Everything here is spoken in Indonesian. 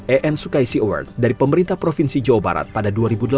en sukaisi award dari pemerintah provinsi jawa barat pada dua ribu delapan belas